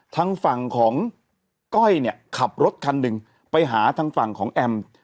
ทางฝั่งของก้อยเนี่ยขับรถคันหนึ่งไปหาทางฝั่งของแอม